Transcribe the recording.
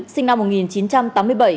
sinh năm một nghìn chín trăm tám mươi bảy